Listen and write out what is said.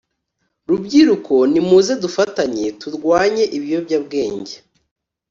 Rubyiruko nimuze dufatanye turwanye ibiyobya bwenge